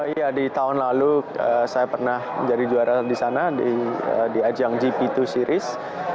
iya di tahun lalu saya pernah jadi juara di sana di ajang gp dua series